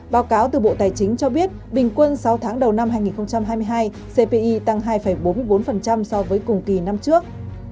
báo cáo từ bộ tài chính cho biết bình quân sáu tháng đầu năm hai nghìn hai mươi hai cpi tăng hai bốn mươi bốn so với cùng kỳ năm trước